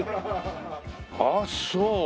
ああそう。